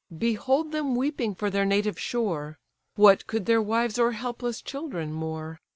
Behold them weeping for their native shore; What could their wives or helpless children more?